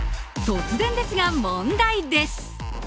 突然ですが、問題です。